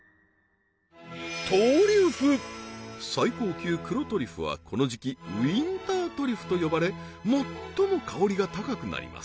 トリュフ最高級黒トリュフはこの時期ウインタートリュフと呼ばれ最も香りが高くなります